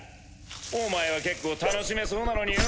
お前は結構楽しめそうなのによ。